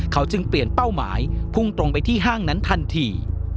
เขาจึงเปลี่ยนเป้าหมายพุ่งตรงไปที่ห้างนั้นทันที